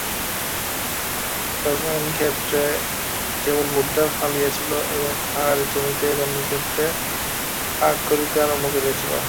তখন ক্ষেত্রে কেবল ভুট্টা ফলিয়াছিল, এবং পাহাড়ে জমিতে ধান্যক্ষেত্রেও পাক ধরিতে আরম্ভ করিয়াছিল।